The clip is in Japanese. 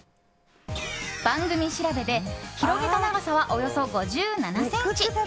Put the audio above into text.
番組調べで広げた長さは、およそ５７ｃｍ！